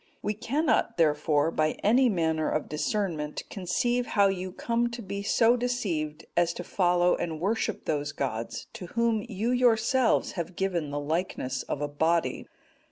We cannot, therefore, by any manner of discernment conceive how you come to be so deceived as to follow and worship those gods, to whom you yourselves have given the likeness of a body.